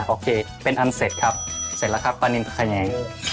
โอเคเป็นอันเสร็จครับเสร็จแล้วครับปลานินตะแง